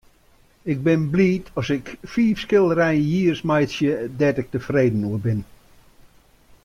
Ik bin bliid as ik fiif skilderijen jiers meitsje dêr't ik tefreden oer bin.